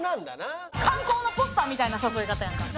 観光のポスターみたいな誘い方やんか。